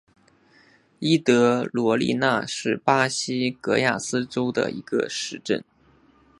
伊德罗利纳是巴西戈亚斯州的一个市镇。